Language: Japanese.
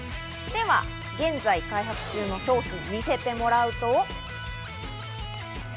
では現在開発中の商品、見せてもらうと。